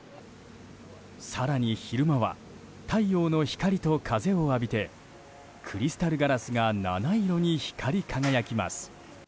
更に、昼間は太陽の光と風を浴びてクリスタルガラスが７色に光り輝きます。